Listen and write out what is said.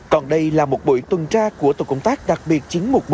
còn đây là một buổi tuần tra của tổ công tác đặc biệt chín trăm một mươi bốn